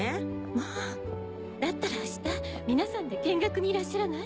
まぁだったらあした皆さんで見学にいらっしゃらない？